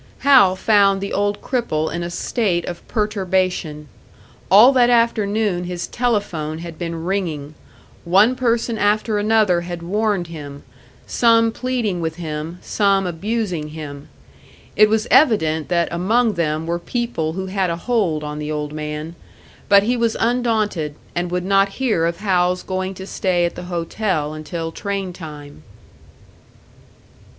Hal found the old cripple in a state of perturbation. All that afternoon his telephone had been ringing; one person after another had warned him some pleading with him, some abusing him. It was evident that among them were people who had a hold on the old man; but he was undaunted, and would not hear of Hal's going to stay at the hotel until train time.